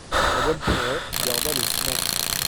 Madame Poiret garda le silence.